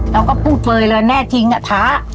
แล้วก็พูดเลยเลยอะแน่จริงอะท้า